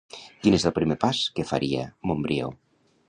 Quin és el primer pas que faria, Montbrió?